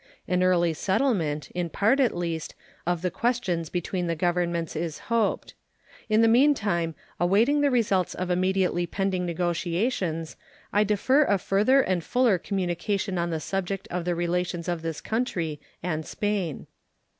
An early settlement, in part at least, of the questions between the Governments is hoped. In the meantime, awaiting the results of immediately pending negotiations, I defer a further and fuller communication on the subject of the relations of this country and Spain.